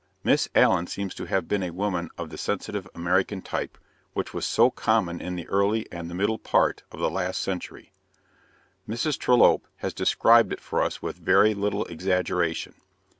Miss Allen seems to have been a woman of the sensitive American type which was so common in the early and the middle part of the last century. Mrs. Trollope has described it for us with very little exaggeration.